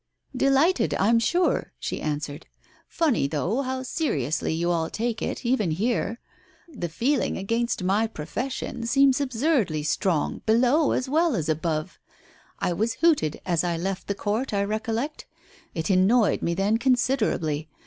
"Delighted, I'm sure," she answered. "Funny, though, how seriously you all take it, even here ! The feeling against my profession seems absurdly strong below as well as above. I was hooted as I left the court, I recollect. It annoyed me then considerably.